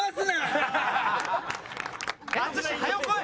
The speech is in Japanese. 淳はよ来い！